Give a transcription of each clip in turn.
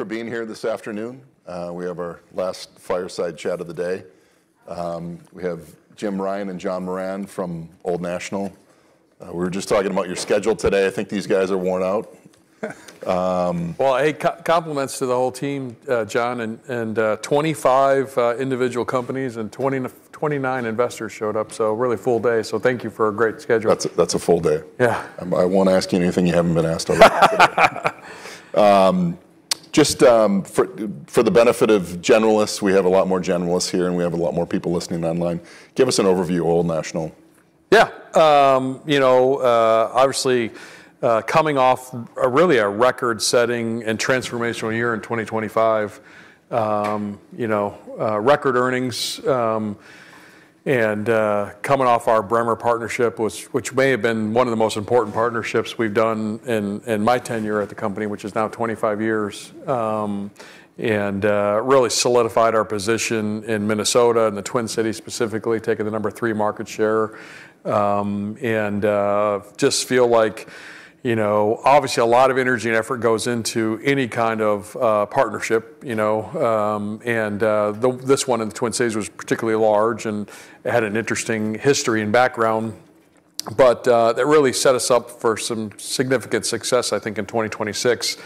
For being here this afternoon. We have our last fireside chat of the day. We have Jim Ryan and John Moran from Old National. We were just talking about your schedule today. I think these guys are worn out. Well, hey, compliments to the whole team, John, and 25 individual companies and 29 investors showed up, so really full day. Thank you for a great schedule. That's a full day. Yeah. I won't ask you anything you haven't been asked already today. Just for the benefit of generalists, we have a lot more generalists here, and we have a lot more people listening online. Give us an overview of Old National. Yeah. You know, obviously, coming off a really record-setting and transformational year in 2025, you know, record earnings, and coming off our Bremer partnership, which may have been one of the most important partnerships we've done in my tenure at the company, which is now 25 years. Really solidified our position in Minnesota and the Twin Cities, specifically, taking the number 3 market share. Just feel like, you know, obviously a lot of energy and effort goes into any kind of partnership, you know. This one in the Twin Cities was particularly large and had an interesting history and background. That really set us up for some significant success, I think, in 2026.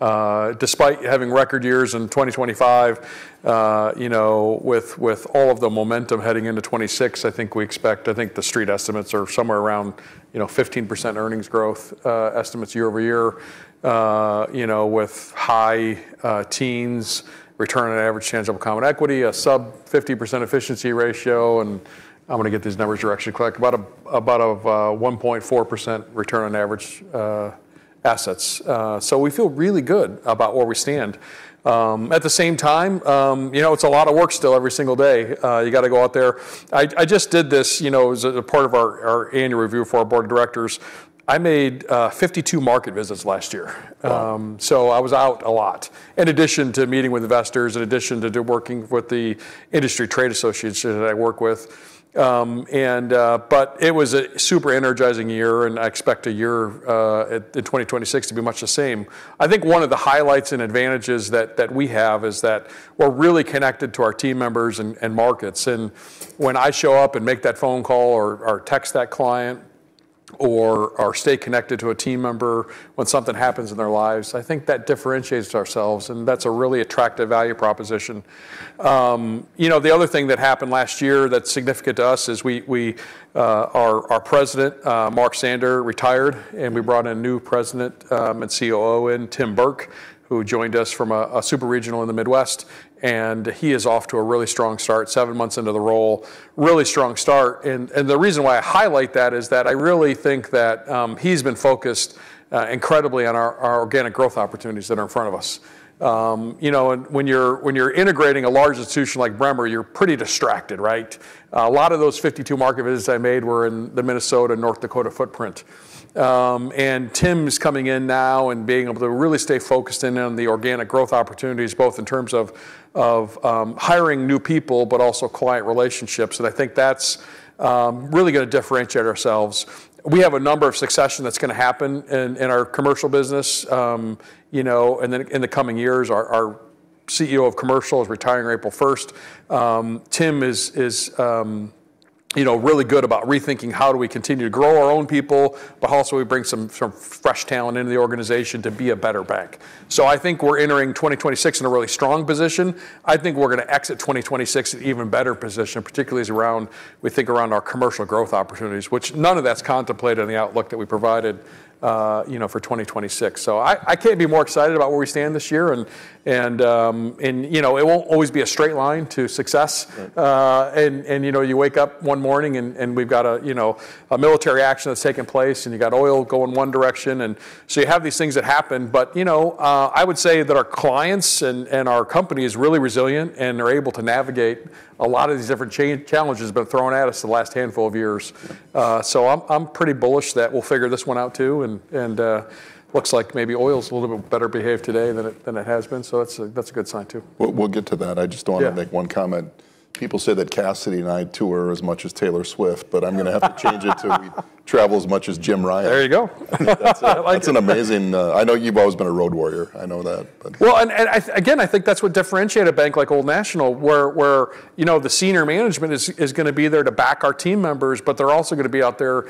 Despite having record years in 2025, you know, with all of the momentum heading into 2026, I think the street estimates are somewhere around, you know, 15% earnings growth, estimates year-over-year. You know, with high-teens return on average tangible common equity, a sub-50% efficiency ratio, and I'm gonna get these numbers roughly correct, about a 1.4% return on average assets. We feel really good about where we stand. At the same time, you know, it's a lot of work still every single day. You gotta go out there. I just did this, you know, as a part of our annual review for our board of directors. I made 52 market visits last year. Wow. I was out a lot. In addition to meeting with investors, in addition to working with the industry trade association that I work with. But it was a super energizing year, and I expect in 2026 to be much the same. I think one of the highlights and advantages that we have is that we're really connected to our team members and markets. When I show up and make that phone call or text that client or stay connected to a team member when something happens in their lives, I think that differentiates ourselves, and that's a really attractive value proposition. You know, the other thing that happened last year that's significant to us is our President, Mark Sander, retired, and we brought in a new President and COO, Tim Burke, who joined us from a super regional in the Midwest. He is off to a really strong start seven months into the role. Really strong start. The reason why I highlight that is that I really think that he's been focused incredibly on our organic growth opportunities that are in front of us. You know, when you're integrating a large institution like Bremer, you're pretty distracted, right? A lot of those 52 market visits I made were in the Minnesota-North Dakota footprint. Tim's coming in now and being able to really stay focused in on the organic growth opportunities, both in terms of hiring new people, but also client relationships. I think that's really gonna differentiate ourselves. We have a number of succession that's gonna happen in our commercial business, you know, in the coming years. Our Chief Executive Officer of commercial is retiring April first. Tim is you know, really good about rethinking how do we continue to grow our own people, but also we bring some fresh talent into the organization to be a better bank. I think we're entering 2026 in a really strong position. I think we're gonna exit 2026 in even better position, particularly, we think, around our commercial growth opportunities, which none of that's contemplated in the outlook that we provided, you know, for 2026. I can't be more excited about where we stand this year and you know, it won't always be a straight line to success. Right. You know, you wake up one morning and we've got a you know, a military action that's taken place, and you got oil going one direction. You have these things that happen. You know, I would say that our clients and our company is really resilient and are able to navigate a lot of these different challenges been thrown at us the last handful of years. I'm pretty bullish that we'll figure this one out too. Looks like maybe oil's a little bit better behaved today than it has been, so that's a good sign too. We'll get to that. I just want. Yeah. To make one comment. People say that Cassidy and I tour as much as Taylor Swift, but I'm gonna have to change it to we travel as much as Jim Ryan. There you go. That's an amazing. I know you've always been a road warrior. I know that, but- I think that's what differentiate a bank like Old National where, you know, the senior management is gonna be there to back our team members, but they're also gonna be out there,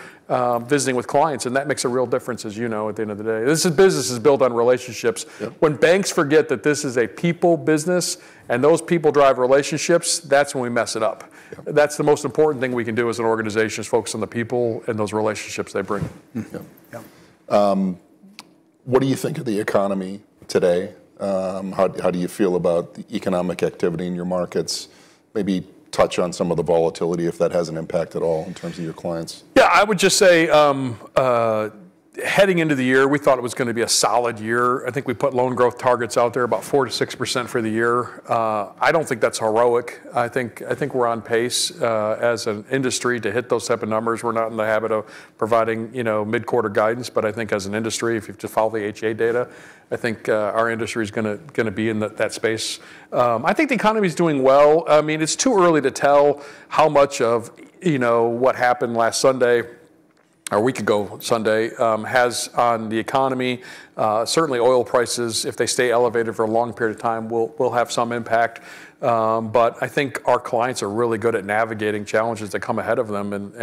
visiting with clients, and that makes a real difference as you know, at the end of the day. This business is built on relationships. Yeah. When banks forget that this is a people business, and those people drive relationships, that's when we mess it up. Yeah. That's the most important thing we can do as an organization is focus on the people and those relationships they bring. Yeah. What do you think of the economy today? How do you feel about the economic activity in your markets? Maybe touch on some of the volatility, if that has an impact at all in terms of your clients. Yeah. I would just say, heading into the year, we thought it was gonna be a solid year. I think we put loan growth targets out there about 4%-6% for the year. I don't think that's heroic. I think we're on pace, as an industry to hit those type of numbers. We're not in the habit of providing, you know, mid-quarter guidance, but I think as an industry, if you just follow the H.8 data, I think our industry's gonna be in that space. I think the economy's doing well. I mean, it's too early to tell how much of, you know, what happened last Sunday, a week ago Sunday, has on the economy, certainly oil prices, if they stay elevated for a long period of time, will have some impact. I think our clients are really good at navigating challenges that come ahead of them.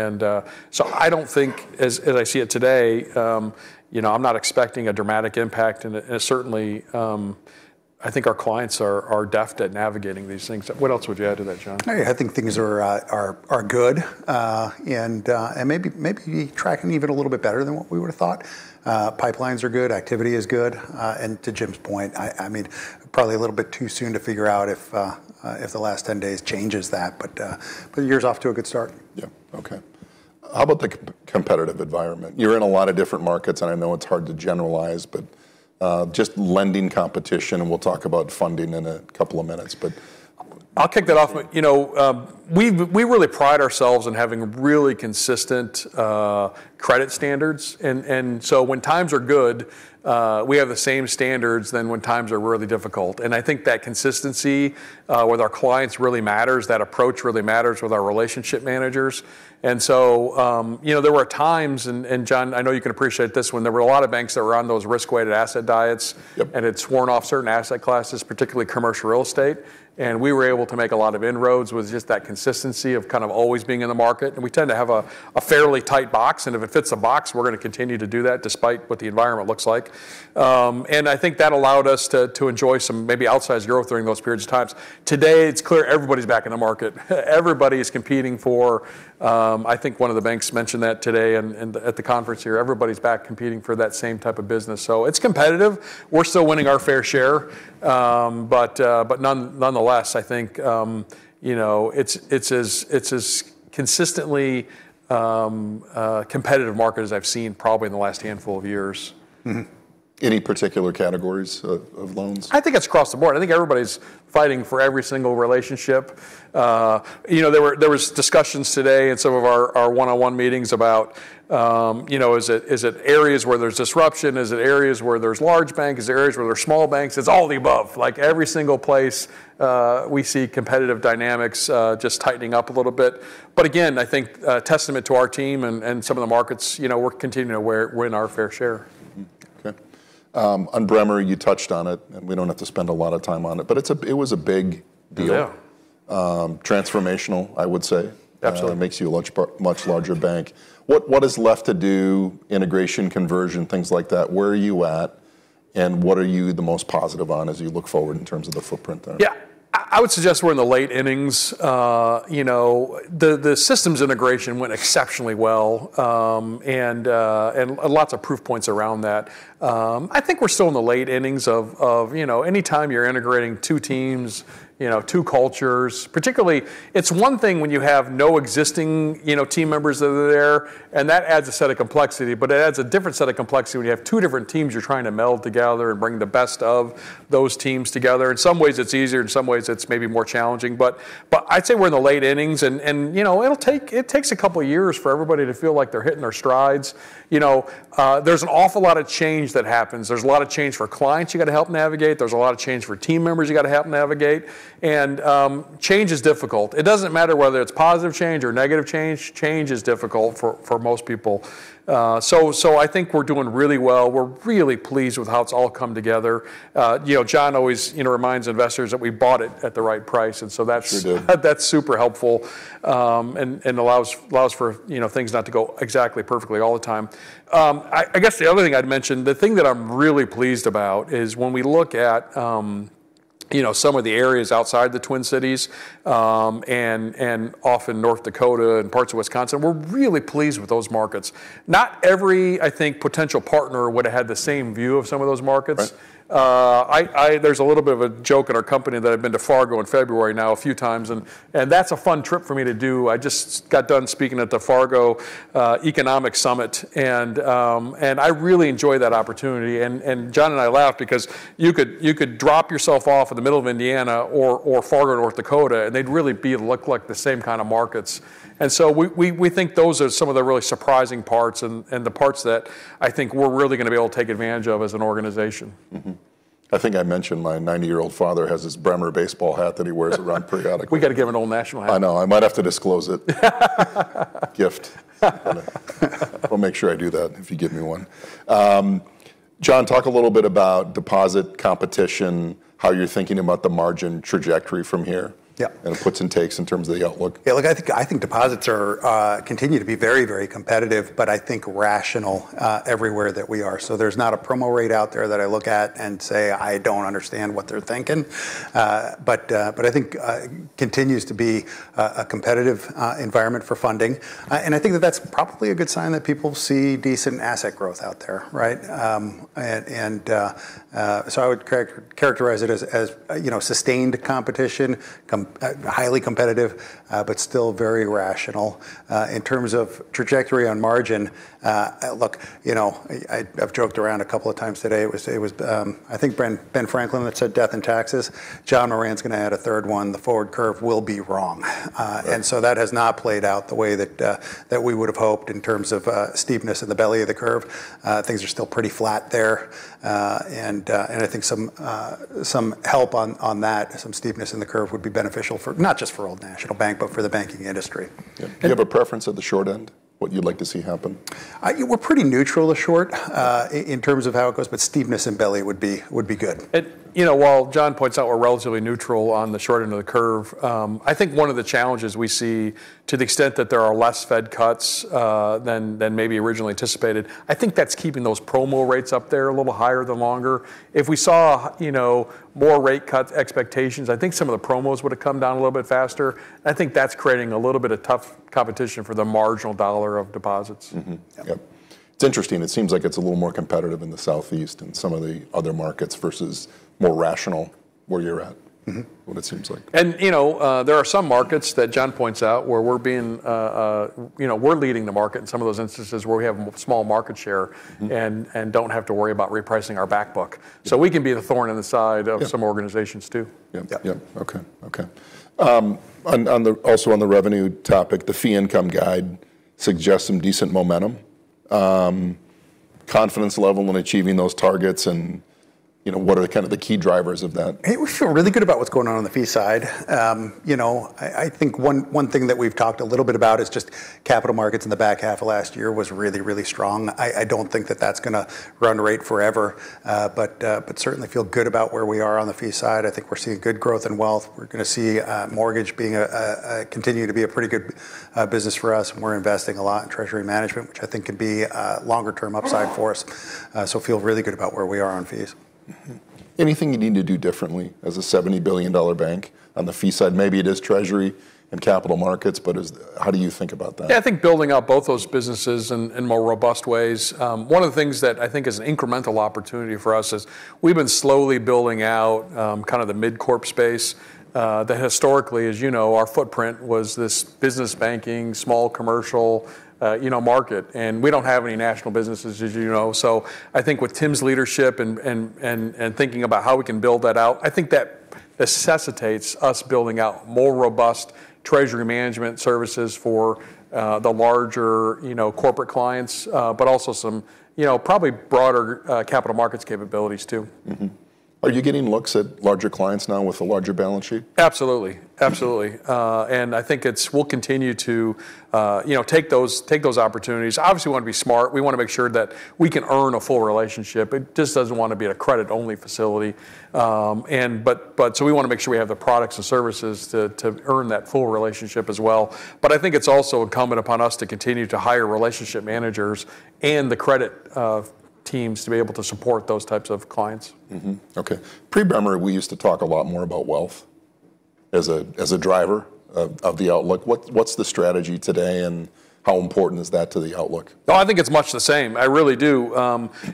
I don't think, as I see it today, you know, I'm not expecting a dramatic impact, and certainly, I think our clients are deft at navigating these things. What else would you add to that, John? I think things are good. Maybe tracking even a little bit better than what we would've thought. Pipelines are good, activity is good. To Jim's point, I mean, probably a little bit too soon to figure out if the last 10 days changes that, but the year's off to a good start. Yeah. Okay. How about the competitive environment? You're in a lot of different markets, and I know it's hard to generalize, but just lending competition, and we'll talk about funding in a couple of minutes. I'll kick that off. You know, we really pride ourselves in having really consistent credit standards. So when times are good, we have the same standards as when times are really difficult. I think that consistency with our clients really matters. That approach really matters with our relationship managers. You know, there were times, and John, I know you can appreciate this one, there were a lot of banks that were on those risk-weighted asset diets. Yep.... had sworn off certain asset classes, particularly commercial real estate. We were able to make a lot of inroads with just that consistency of kind of always being in the market. We tend to have a fairly tight box, and if it fits a box, we're gonna continue to do that despite what the environment looks like. I think that allowed us to enjoy some maybe outsized growth during those periods of times. Today, it's clear everybody's back in the market. Everybody's competing for. I think one of the banks mentioned that today and at the conference here, everybody's back competing for that same type of business. It's competitive. We're still winning our fair share. Nonetheless, I think, you know, it's as consistently competitive market as I've seen probably in the last handful of years. Mm-hmm. Any particular categories of loans? I think it's across the board. I think everybody's fighting for every single relationship. You know, there were discussions today in some of our one-on-one meetings about, you know, is it areas where there's disruption? Is it areas where there's large banks? Is it areas where there's small banks? It's all the above. Like, every single place, we see competitive dynamics just tightening up a little bit. But again, I think a testament to our team and some of the markets, you know, we're continuing to win our fair share. Mm-hmm. Okay. On Bremer, you touched on it, and we don't have to spend a lot of time on it, but it was a big deal. Yeah. Transformational, I would say. Absolutely. It makes you a much larger bank. What is left to do, integration, conversion, things like that? Where are you at, and what are you the most positive on as you look forward in terms of the footprint there? Yeah. I would suggest we're in the late innings. You know, the systems integration went exceptionally well, and lots of proof points around that. I think we're still in the late innings of, you know, anytime you're integrating two teams, you know, two cultures, particularly. It's one thing when you have no existing, you know, team members that are there, and that adds a set of complexity, but it adds a different set of complexity when you have two different teams you're trying to meld together and bring the best of those teams together. In some ways it's easier, in some ways it's maybe more challenging. I'd say we're in the late innings and, you know, it takes a couple years for everybody to feel like they're hitting their strides. You know, there's an awful lot of change that happens. There's a lot of change for clients you gotta help navigate. There's a lot of change for team members you gotta help navigate. Change is difficult. It doesn't matter whether it's positive change or negative change is difficult for most people. So I think we're doing really well. We're really pleased with how it's all come together. You know, John Moran always, you know, reminds investors that we bought it at the right price, and so that's. Sure did.... that's super helpful, and allows for, you know, things not to go exactly perfectly all the time. I guess the other thing I'd mention, the thing that I'm really pleased about is when we look at, you know, some of the areas outside the Twin Cities, and often North Dakota and parts of Wisconsin, we're really pleased with those markets. Not every, I think, potential partner would've had the same view of some of those markets. Right. There's a little bit of a joke in our company that I've been to Fargo in February now a few times, and that's a fun trip for me to do. I just got done speaking at the Fargo Economic Summit, and I really enjoy that opportunity. John and I laugh because you could drop yourself off in the middle of Indiana or Fargo, North Dakota, and they'd really look like the same kinda markets. We think those are some of the really surprising parts and the parts that I think we're really gonna be able to take advantage of as an organization. I think I mentioned my 90-year-old father has this Bremer baseball hat that he wears around periodically. We gotta give him an Old National hat. I know. I might have to disclose it. Gift. I'll make sure I do that, if you give me one. John, talk a little bit about deposit competition, how you're thinking about the margin trajectory from here. Yeah. The puts and takes in terms of the outlook. Yeah, look, I think deposits continue to be very, very competitive, but I think rational everywhere that we are. There's not a promo rate out there that I look at and say, "I don't understand what they're thinking." But I think continues to be a competitive environment for funding. I think that that's probably a good sign that people see decent asset growth out there, right? I would characterize it as, you know, sustained competition, highly competitive, but still very rational. In terms of trajectory on margin, look, you know, I've joked around a couple of times today, it was, I think Benjamin Franklin that said, "Death and taxes. John V. Moran's gonna add a third one, the forward curve will be wrong. Right That has not played out the way that we would've hoped in terms of steepness in the belly of the curve. Things are still pretty flat there. I think some help on that, some steepness in the curve would be beneficial for not just Old National Bank, but for the banking industry. Yeah. Do you have a preference at the short end, what you'd like to see happen? We're pretty neutral to short in terms of how it goes, but steepness and belly would be good. You know, while John points out we're relatively neutral on the short end of the curve, I think one of the challenges we see to the extent that there are less Fed cuts than maybe originally anticipated, I think that's keeping those promo rates up there a little higher the longer. If we saw, you know, more rate cut expectations, I think some of the promos would've come down a little bit faster. I think that's creating a little bit of tough competition for the marginal dollar of deposits. Mm-hmm. Yep. It's interesting. It seems like it's a little more competitive in the Southeast and some of the other markets versus more rational where you're at. Mm-hmm. What it seems like. You know, there are some markets that John points out where we're being, you know, we're leading the market in some of those instances where we have small market share. Mm. Don't have to worry about repricing our back book. We can be the thorn in the side. Yeah. Of some organizations, too. Yeah. Yeah. Yeah. Okay. Also on the revenue topic, the fee income guidance suggests some decent momentum. Confidence level when achieving those targets and, you know, what are kinda the key drivers of that? Hey, we feel really good about what's going on on the fee side. You know, I think one thing that we've talked a little bit about is just capital markets in the back half of last year was really strong. I don't think that's gonna run rate forever. Certainly feel good about where we are on the fee side. I think we're seeing good growth in wealth. We're gonna see mortgage continue to be a pretty good business for us, and we're investing a lot in treasury management, which I think can be a longer term upside for us. Feel really good about where we are on fees. Mm-hmm. Anything you need to do differently as a $70 billion bank on the fee side? Maybe it is treasury and capital markets, but is, how do you think about that? Yeah, I think building out both those businesses in more robust ways. One of the things that I think is an incremental opportunity for us is we've been slowly building out kinda the mid cap space. That historically, as you know, our footprint was this business banking, small commercial, you know, market, and we don't have any national businesses, as you know. I think with Tim's leadership and thinking about how we can build that out, I think that necessitates us building out more robust treasury management services for the larger, you know, corporate clients. But also some, you know, probably broader capital markets capabilities, too. Mm-hmm. Are you getting looks at larger clients now with the larger balance sheet? Absolutely. I think we'll continue to take those opportunities. Obviously wanna be smart. We wanna make sure that we can earn a full relationship. It just doesn't wanna be a credit-only facility. We wanna make sure we have the products and services to earn that full relationship as well. I think it's also incumbent upon us to continue to hire relationship managers and the credit teams to be able to support those types of clients. Mm-hmm. Okay. Pre-Bremer, we used to talk a lot more about wealth as a driver of the outlook. What's the strategy today, and how important is that to the outlook? Oh, I think it's much the same. I really do.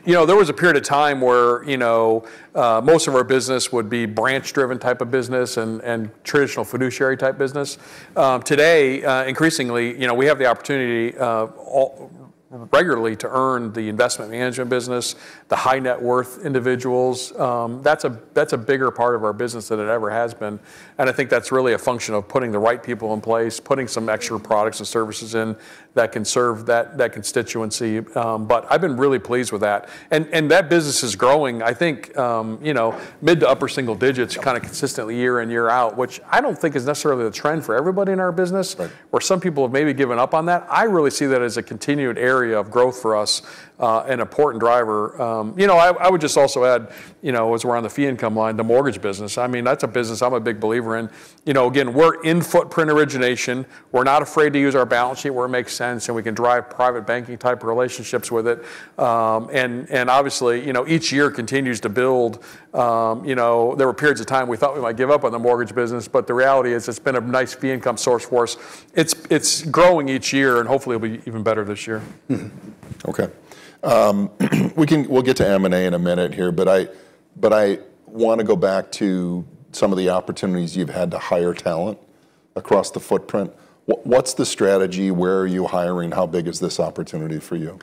You know, there was a period of time where, you know, most of our business would be branch-driven type of business and traditional fiduciary type business. Today, increasingly, you know, we have the opportunity regularly to earn the investment management business, the high-net-worth individuals. That's a bigger part of our business than it ever has been, and I think that's really a function of putting the right people in place, putting some extra products and services in that can serve that constituency. I've been really pleased with that. That business is growing. I think, you know, mid- to upper-single digits%. Yeah Kinda consistently year in, year out, which I don't think is necessarily the trend for everybody in our business. Right. Where some people have maybe given up on that. I really see that as a continued area of growth for us, an important driver. You know, I would just also add, you know, as we're on the fee income line, the mortgage business. I mean, that's a business I'm a big believer in. You know, again, we're in footprint origination. We're not afraid to use our balance sheet where it makes sense, and we can drive private banking type relationships with it. And obviously, you know, each year continues to build. You know, there were periods of time we thought we might give up on the mortgage business, but the reality is it's been a nice fee income source for us. It's growing each year, and hopefully it'll be even better this year. We can, we'll get to M&A in a minute here, but I wanna go back to some of the opportunities you've had to hire talent across the footprint. What's the strategy? Where are you hiring? How big is this opportunity for you?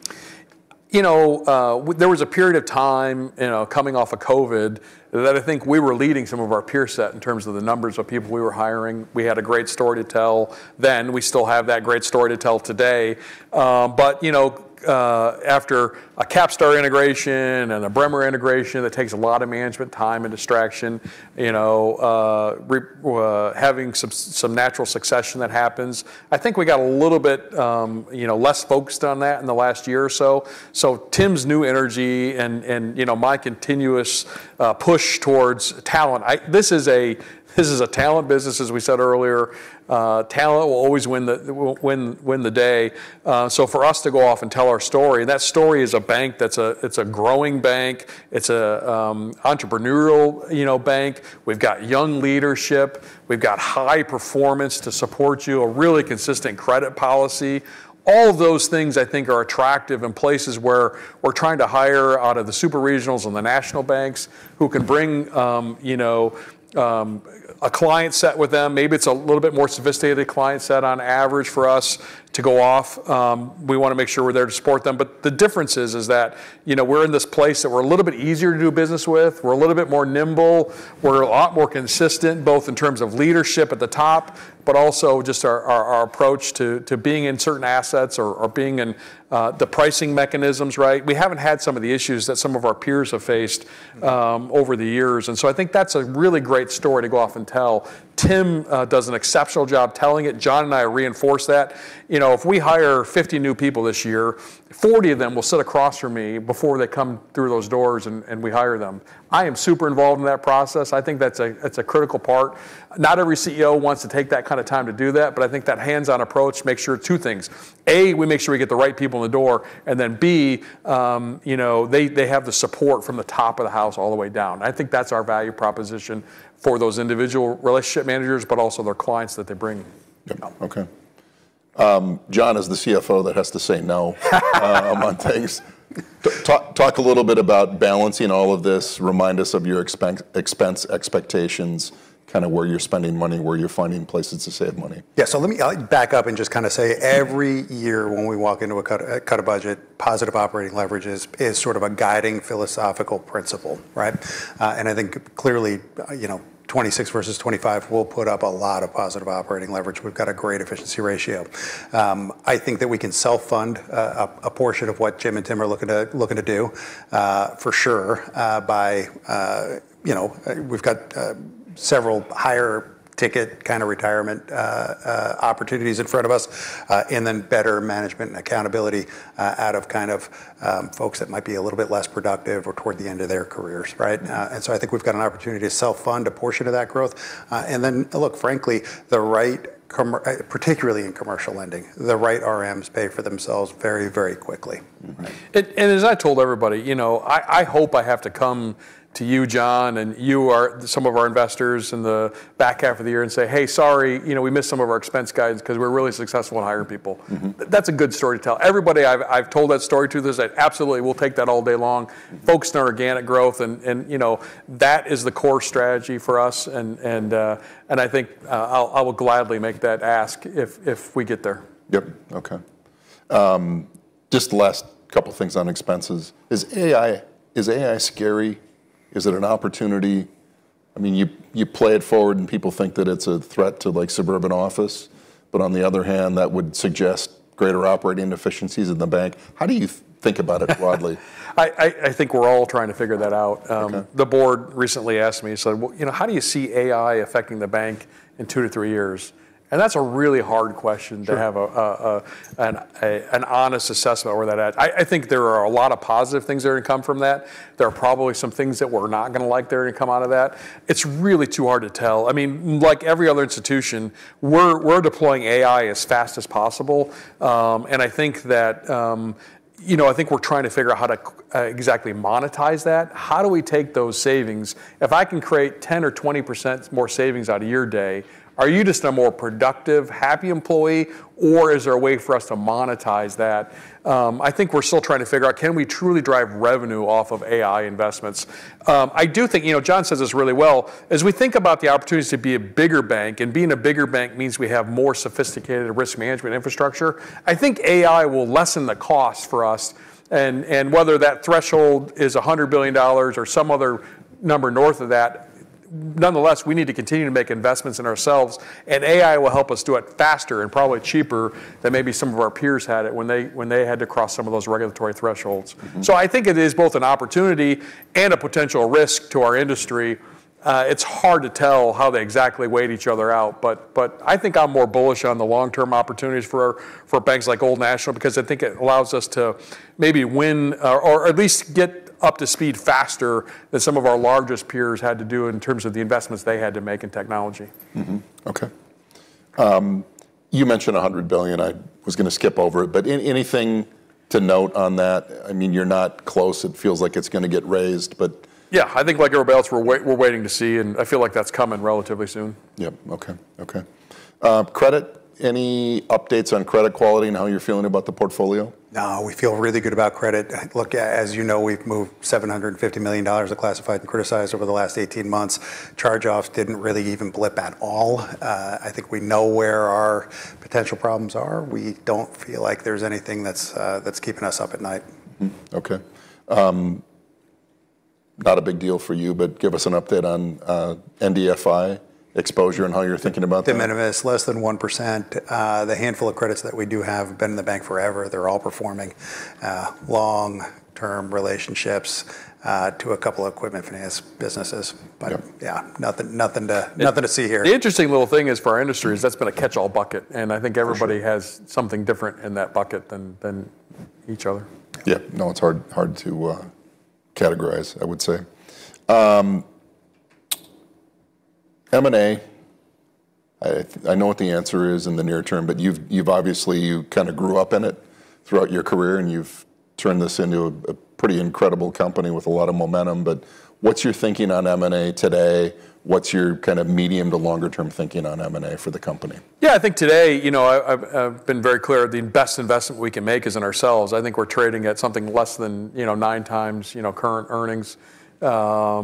You know, there was a period of time, you know, coming off of COVID, that I think we were leading some of our peer set in terms of the numbers of people we were hiring. We had a great story to tell then. We still have that great story to tell today. You know, after a Capstar integration and a Bremer integration, that takes a lot of management time and distraction. You know, having some natural succession that happens. I think we got a little bit, you know, less focused on that in the last year or so. Tim's new energy and you know, my continuous push towards talent. This is a talent business, as we said earlier. Talent will always win the day. For us to go off and tell our story, and that story is a bank that's entrepreneurial, you know, bank. We've got young leadership. We've got high performance to support you, a really consistent credit policy. All of those things I think are attractive in places where we're trying to hire out of the super regionals and the national banks, who can bring a client set with them. Maybe it's a little bit more sophisticated client set on average for us to go off. We wanna make sure we're there to support them. The difference is that, you know, we're in this place that we're a little bit easier to do business with. We're a little bit more nimble. We're a lot more consistent, both in terms of leadership at the top, but also just our approach to being in certain assets or being in the pricing mechanisms right. We haven't had some of the issues that some of our peers have faced over the years. I think that's a really great story to go off and tell. Tim does an exceptional job telling it. John and I reinforce that. You know, if we hire 50 new people this year, 40 of them will sit across from me before they come through those doors and we hire them. I am super involved in that process. I think that's a critical part. Not every Chief Executive Officer wants to take that kind of time to do that, but I think that hands-on approach makes sure two things. A, we make sure we get the right people in the door, and then B, you know, they have the support from the top of the house all the way down. I think that's our value proposition for those individual relationship managers, but also their clients that they're bringing. Yeah. Okay. John is the CFO that has to say no on things. Talk a little bit about balancing all of this. Remind us of your expense expectations, kinda where you're spending money, where you're finding places to save money. Yeah. Let me, I'll back up and just kinda say, every year when we walk into a cut budget, positive operating leverage is sort of a guiding philosophical principle, right? I think clearly, you know, 2026 versus 2025 will put up a lot of positive operating leverage. We've got a great efficiency ratio. I think that we can self-fund a portion of what Jim and Tim are looking to do, for sure, by. You know, we've got several higher ticket kinda retirement opportunities in front of us, and then better management and accountability out of kind of folks that might be a little bit less productive or toward the end of their careers, right? I think we've got an opportunity to self-fund a portion of that growth. Look, frankly, particularly in commercial lending, the right RMs pay for themselves very, very quickly. Mm-hmm. As I told everybody, you know, I hope I have to come to you, John, and some of our investors in the back half of the year and say, "Hey, sorry, you know, we missed some of our expense guidance 'cause we're really successful in hiring people. Mm-hmm. That's a good story to tell. Everybody I've told that story to, they said, "Absolutely, we'll take that all day long. Mm-hmm. Focus on organic growth and you know that is the core strategy for us and I think I will gladly make that ask if we get there. Yep. Okay. Just last couple things on expenses. Is AI scary? Is it an opportunity? I mean, you play it forward and people think that it's a threat to, like, suburban office, but on the other hand, that would suggest greater operating efficiencies in the bank. How do you think about it broadly? I think we're all trying to figure that out. Okay. The board recently asked me, said, "Well, you know, how do you see AI affecting the bank in 2 years-3 years?" That's a really hard question. Sure To have an honest assessment where that's at. I think there are a lot of positive things that are gonna come from that. There are probably some things that we're not gonna like that are gonna come out of that. It's really too hard to tell. I mean, like every other institution, we're deploying AI as fast as possible. I think that, you know, I think we're trying to figure out how to exactly monetize that. How do we take those savings? If I can create 10% or 20% more savings out of your day, are you just a more productive, happy employee, or is there a way for us to monetize that? I think we're still trying to figure out, can we truly drive revenue off of AI investments? I do think, you know, John says this really well, as we think about the opportunities to be a bigger bank, and being a bigger bank means we have more sophisticated risk management infrastructure. I think AI will lessen the cost for us. Whether that threshold is $100 billion or some other number north of that, nonetheless, we need to continue to make investments in ourselves, and AI will help us do it faster and probably cheaper than maybe some of our peers had it when they had to cross some of those regulatory thresholds. Mm-hmm. I think it is both an opportunity and a potential risk to our industry. It's hard to tell how they exactly weigh each other out, but I think I'm more bullish on the long-term opportunities for banks like Old National, because I think it allows us to maybe win or at least get up to speed faster than some of our largest peers had to do in terms of the investments they had to make in technology. You mentioned $100 billion. I was gonna skip over it, but anything to note on that? I mean, you're not close. It feels like it's gonna get raised, but. Yeah. I think like everybody else, we're waiting to see, and I feel like that's coming relatively soon. Yep. Okay. Okay. Credit, any updates on credit quality and how you're feeling about the portfolio? No, we feel really good about credit. Look, as you know, we've moved $750 million of classified and criticized over the last 18 months. Charge-offs didn't really even blip at all. I think we know where our potential problems are. We don't feel like there's anything that's keeping us up at night. Okay. Not a big deal for you, but give us an update on NDFI exposure and how you're thinking about that. De minimis, less than 1%. The handful of credits that we do have been in the bank forever. They're all performing, long-term relationships, to a couple of equipment finance businesses. Yep. Yeah, nothing to see here. The interesting little thing is for our industry is that's been a catchall bucket, and I think everybody For sure. has something different in that bucket than each other. Yep. No, it's hard to categorize, I would say. M&A, I know what the answer is in the near term, but you've obviously, you kinda grew up in it throughout your career, and you've turned this into a pretty incredible company with a lot of momentum, but what's your thinking on M&A today? What's your kind of medium to longer term thinking on M&A for the company? Yeah, I think today, you know, I've been very clear, the best investment we can make is in ourselves. I think we're trading at something less than, you know, 9x current earnings. I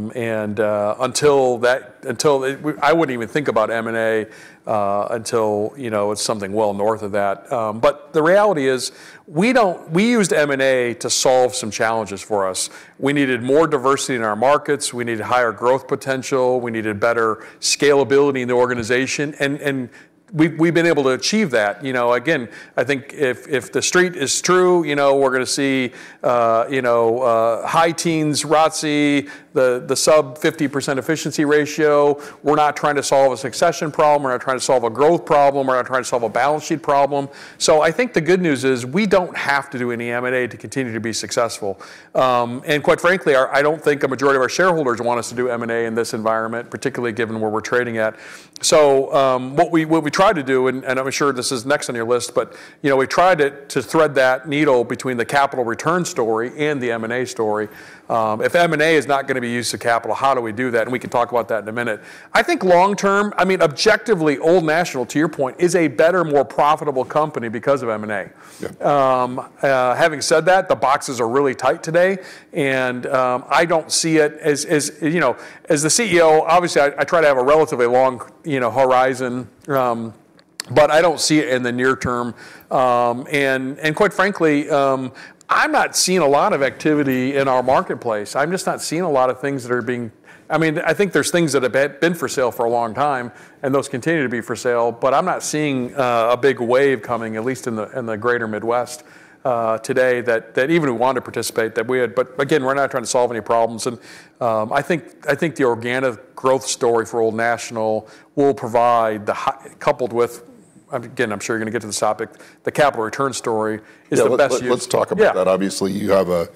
wouldn't even think about M&A until it's something well north of that. But the reality is, we used M&A to solve some challenges for us. We needed more diversity in our markets. We needed higher growth potential. We needed better scalability in the organization. We've been able to achieve that. You know, again, I think if the street is true, you know, we're gonna see high-teens ROTCE, the sub 50% efficiency ratio. We're not trying to solve a succession problem. We're not trying to solve a growth problem. We're not trying to solve a balance sheet problem. I think the good news is, we don't have to do any M&A to continue to be successful. Quite frankly, I don't think a majority of our shareholders want us to do M&A in this environment, particularly given where we're trading at. What we try to do, and I'm sure this is next on your list, but you know, we try to thread that needle between the capital return story and the M&A story. If M&A is not gonna be used to capital, how do we do that? We can talk about that in a minute. I think long term, I mean, objectively, Old National, to your point, is a better, more profitable company because of M&A. Yeah. Having said that, the boxes are really tight today, and I don't see it as. You know, as the Chief Executive Officer, obviously, I try to have a relatively long, you know, horizon. I don't see it in the near term. Quite frankly, I'm not seeing a lot of activity in our marketplace. I'm just not seeing a lot of things. I mean, I think there's things that have been for sale for a long time, and those continue to be for sale, but I'm not seeing a big wave coming, at least in the greater Midwest today, that even want to participate that we had. Again, we're not trying to solve any problems. I think the organic growth story for Old National will provide, coupled with, again, I'm sure you're gonna get to this topic, the capital return story is the best. Yeah. Let's talk about that. Yeah. Obviously, you have a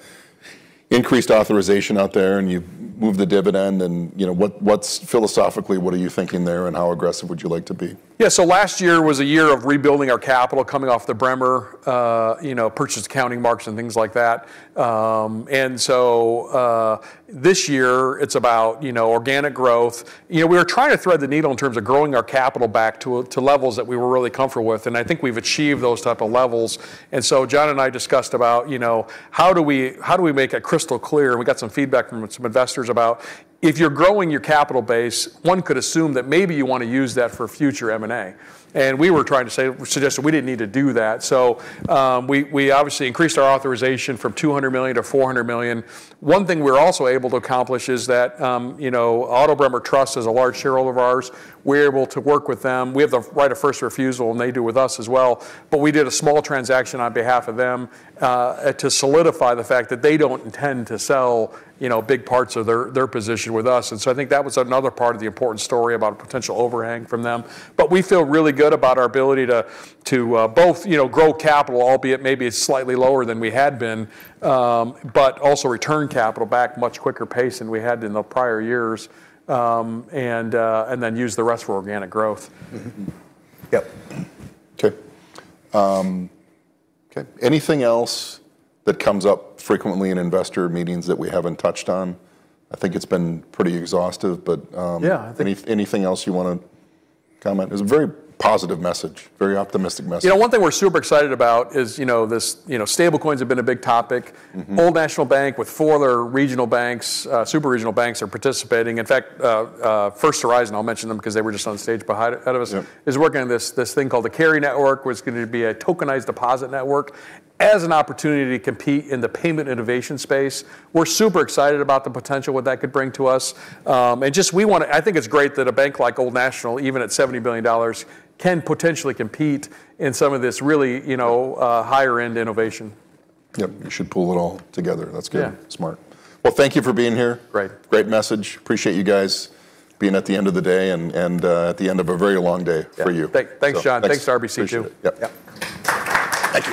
increased authorization out there, and you've moved the dividend, and, you know, what's philosophically, what are you thinking there, and how aggressive would you like to be? Yeah. Last year was a year of rebuilding our capital coming off the Bremer, you know, purchase accounting marks and things like that. This year it's about, you know, organic growth. You know, we're trying to thread the needle in terms of growing our capital back to levels that we were really comfortable with, and I think we've achieved those type of levels. John and I discussed about, you know, how do we, how do we make it crystal clear? We got some feedback from some investors about if you're growing your capital base, one could assume that maybe you wanna use that for future M&A. We were trying to say, suggest that we didn't need to do that. We obviously increased our authorization from $200 million to $400 million. One thing we're also able to accomplish is that, you know, Otto Bremer Trust is a large shareholder of ours. We're able to work with them. We have the right of first refusal, and they do with us as well. We did a small transaction on behalf of them, to solidify the fact that they don't intend to sell, you know, big parts of their position with us. I think that was another part of the important story about a potential overhang from them. We feel really good about our ability to both, you know, grow capital, albeit maybe it's slightly lower than we had been, but also return capital back much quicker pace than we had in the prior years, and then use the rest for organic growth. Yep. Okay. Okay. Anything else that comes up frequently in investor meetings that we haven't touched on? I think it's been pretty exhaustive, but. Yeah Anything else you wanna comment? It's a very positive message, very optimistic message. You know, one thing we're super excited about is, you know, this, you know, stablecoins have been a big topic. Mm-hmm. Old National Bank with four other regional banks, super regional banks are participating. In fact, First Horizon, I'll mention them 'cause they were just on stage ahead of us. Yeah is working on this thing called the CariNext, where it's gonna be a tokenized deposit network as an opportunity to compete in the payment innovation space. We're super excited about the potential, what that could bring to us. Just, I think it's great that a bank like Old National, even at $70 billion, can potentially compete in some of this really, you know, higher-end innovation. Yep. You should pull it all together. That's good. Yeah. Smart. Well, thank you for being here. Great. Great message. Appreciate you guys being at the end of the day and at the end of a very long day for you. Yeah. Thanks, John. Thanks. Thanks, RBC too. Appreciate it. Yep. Yep. Thank you.